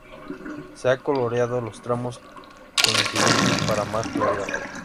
Se ha coloreado los tramos coincidentes, para más claridad.